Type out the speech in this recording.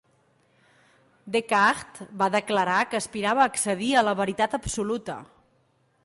Descartes va declarar que aspirava a accedir a la "veritat absoluta".